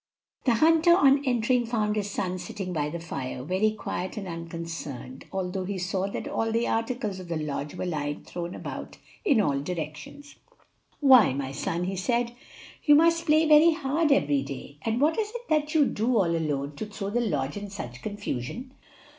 The hunter, on entering, found his son sitting by the fire, very quiet and unconcerned, although he saw that all the articles of the lodge were lying thrown about in all directions. "Why, my son," he said, "you must play very hard every day; and what is it that you do, all alone, to throw the lodge in such confusion?"